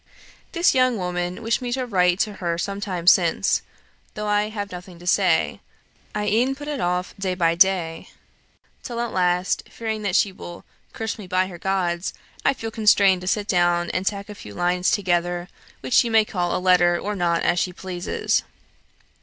This young woman wished me to write to her some time since, though I have nothing to say I e'en put it off, day by day, till at last, fearing that she will 'curse me by her gods,' I feel constrained to sit down and tack a few lines together, which she may call a letter or not as she pleases.